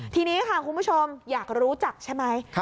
ทีนี้ค่ะคุณผู้ชมอยากรู้จักใช่ไหม